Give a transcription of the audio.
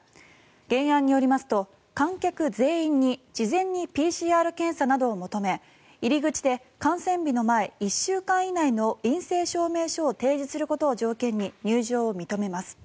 原案によりますと、観客全員に事前にＰＣＲ検査などを求め入り口で観戦日の前１週間以内の陰性証明書を提示することを条件に入場を認めます。